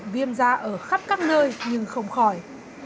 viêm da ở khắp các nơi nhưng không khỏi